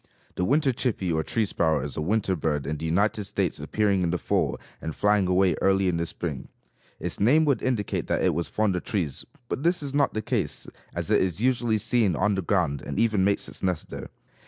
The winter chippy or tree sparrow is a winter bird, in the United States appearing in the fall and flying away early in the spring. Its name would indicate that it was fond of trees, but this is not the case, as it is usually seen on the ground and even makes its nest there.